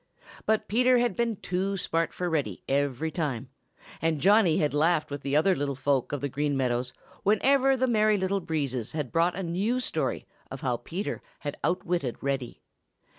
But Peter had been too smart for Reddy every time, and Johnny had laughed with the other little people of the Green Meadows whenever the Merry Little Breezes had brought a new story of how Peter had outwitted Reddy.